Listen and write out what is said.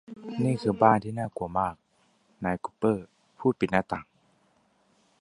นี่คือบ้านที่น่ากลัวมากนายกุปเปอร์พูดปิดหน้าต่าง